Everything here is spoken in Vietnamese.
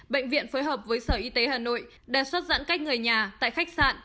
bệnh viện phối hợp với sở y tế hà nội đề xuất giãn cách người nhà tại khách sạn